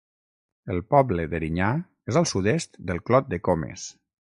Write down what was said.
El poble d'Erinyà és al sud-est del Clot de Comes.